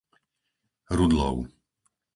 Rudlov